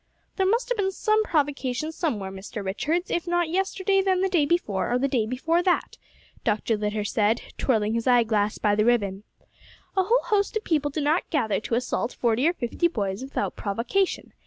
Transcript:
"There must have been some provocation somewhere, Mr. Richards, if not yesterday, then the day before, or the day before that," Dr. Litter said, twirling his eye glass by the ribbon. "A whole host of people do not gather to assault forty or fifty boys without provocation.